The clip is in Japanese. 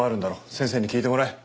先生に聞いてもらえ。